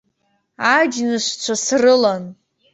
Аџьнышцәа срылан.